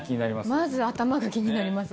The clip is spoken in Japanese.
まず頭が気になります。